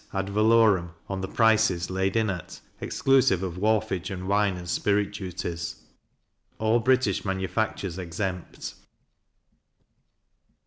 ad valorem on the prices laid in at, exclusive of wharfage and wine and spirit duties. All British manufactures exempt.